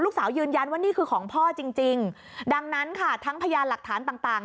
สาวยืนยันว่านี่คือของพ่อจริงจริงดังนั้นค่ะทั้งพยานหลักฐานต่างต่าง